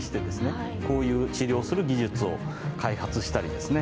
こういう治療をする技術を開発したりですね